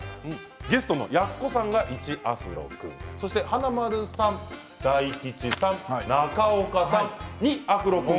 ゲストの奴さんが１アフロ君華丸さんと大吉さん、中岡さんに２アフロ君。